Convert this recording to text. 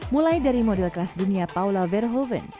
mulai dari model kelas dunia paula verhoeven